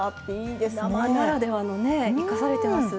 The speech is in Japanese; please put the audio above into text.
生ならではのね生かされてます。